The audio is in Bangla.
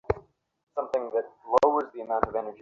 দাঁড়া, আমার কাছে উপযুক্ত কারণ আছে।